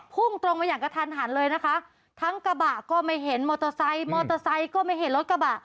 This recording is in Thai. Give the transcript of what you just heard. พุ่งตรงมาอย่างกระทันหันเลยนะคะทั้งกระบะก็ไม่เห็นมอเตอร์ไซค์มอเตอร์ไซค์ก็ไม่เห็นรถกระบะ